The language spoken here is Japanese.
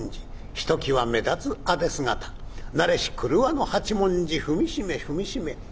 ひときわ目立つ艶姿慣れし廓の八文字踏み締め踏み締め